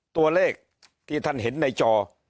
ตัวเลขที่ท่านเห็นในจอ๔๒๘๐๐๐